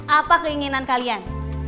apa keinginan kalian